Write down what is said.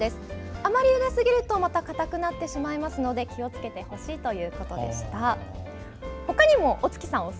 あまりゆですぎるとかたくなってしまうので気をつけてほしいということです。